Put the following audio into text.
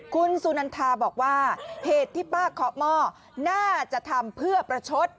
คุณสุนันทาบอกว่าเหตุที่ป้าเคาะหม้อน่าจะทำเพื่อประชด